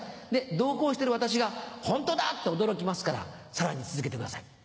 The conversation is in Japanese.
同行してる私が「ホントだ！」と驚きますからさらに続けてください。